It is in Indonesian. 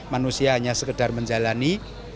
manusia hanya sekedar menjalani